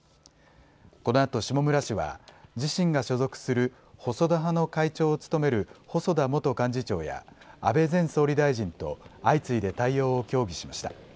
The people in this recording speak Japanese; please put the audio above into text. このあと下村氏は自身が所属する細田派の会長を務める細田元幹事長や安倍前総理大臣と相次いで対応を協議しました。